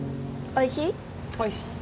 おいしい。